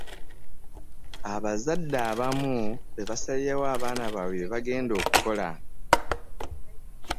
Abazadde abamu be basalirawo abaana bye bagenda okukola.